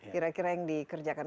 kira kira yang dikerjakan